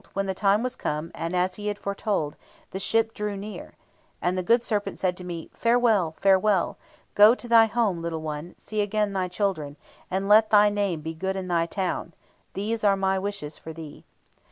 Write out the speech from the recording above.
when the time was come, as he had foretold, the ship drew near. And the good serpent said to me, 'Farewell, farewell! go to thy home, little one, see again thy children, and let thy name be good in thy town; these are my wishes for thee.'